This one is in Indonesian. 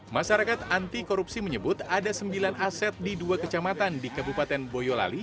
masyarakat anti korupsi menyebut ada sembilan aset di dua kecamatan di kabupaten boyolali